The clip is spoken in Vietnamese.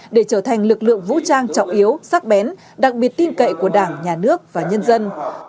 để trở thành lực lượng vũ trang trọng yếu sắc bén đặc biệt tin cậy của đảng nhà nước và nhân dân